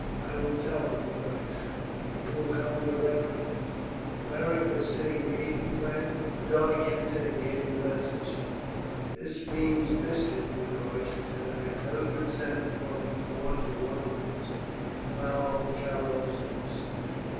"I will tell him," Boduoc said. "He will come directly." Beric was sitting reading when Boduoc entered and gave the message. "This means mischief, Boduoc," he said. "I have never been sent for before to one of these foul carousals.